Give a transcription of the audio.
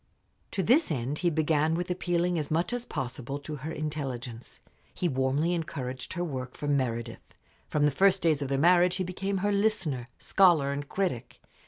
To this end he began with appealing as much as possible to her intelligence. He warmly encouraged her work for Meredith. From the first days of their marriage he became her listener, scholar, and critic.